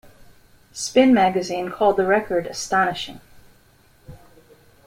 "Spin" magazine called the record "astonishing".